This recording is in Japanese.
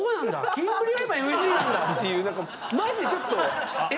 キンプリが今ＭＣなんだ！」っていう何かマジでちょっと「え？